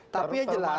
tapi yang jelas